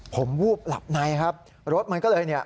ผมวูบหลับในครับรถมันก็เลยเนี่ย